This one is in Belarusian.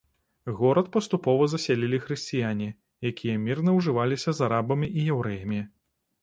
Горад паступова засялілі хрысціяне, якія мірна ўжываліся з арабамі і яўрэямі.